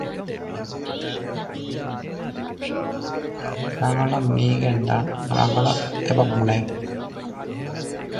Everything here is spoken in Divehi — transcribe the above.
ތަދުވެގެން ކަމެއް ހިތަށް ލިބެމުންދިޔަ އަނިޔާތަކަށް ކެތްނުވެގެން ކަމެއް ވެސް ނޭންގެ